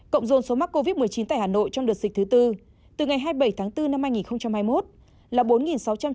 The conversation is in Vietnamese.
cộng dồn số mắc covid một mươi chín tại hà nội trong đợt dịch thứ tư từ ngày hai mươi bảy tháng bốn năm hai nghìn hai mươi một là bốn sáu trăm chín mươi hai ca